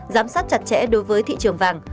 giám sát chặt chẽ đối với thị trường vàng